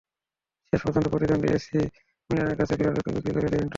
শেষ পর্যন্ত শহর প্রতিদ্বন্দ্বী এসি মিলানের কাছে পিরলোকে বিক্রিই করে দেয় ইন্টার।